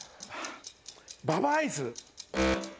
ババアイス？